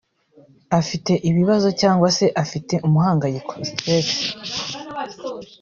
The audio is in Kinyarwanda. afite ibibazo cyangwa se afite umuhangayiko (stress)